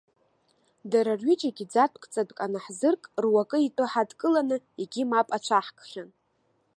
Дара рҩыџьагы ӡатәк ӡатәк анаҳзырк, руакы итәы ҳадкыланы егьи мап ацәаҳкхьан.